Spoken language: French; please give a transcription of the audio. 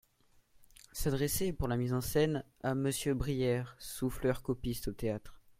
S'adresser, pour la mise en scène, à M.BRIERRE, souffleur-copiste au théâtre.